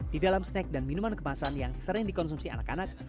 di dalam snack dan minuman kemasan yang sering dikonsumsi anak anak